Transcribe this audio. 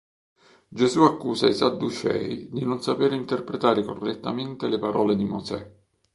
Gesù accusa i sadducei di non sapere interpretare correttamente le parole di Mosè.